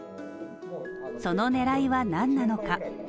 その狙いは何なのか。